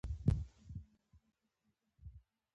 وحشي حیوانات د افغانستان په ستراتیژیک اهمیت کې رول لري.